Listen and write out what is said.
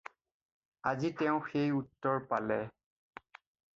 আজি তেওঁ সেই উত্তৰ পালে।